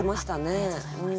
ありがとうございます。